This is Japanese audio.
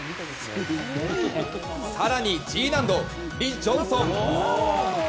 更にＧ難度、リ・ジョンソン。